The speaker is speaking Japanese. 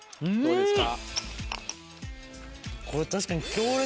どうですか？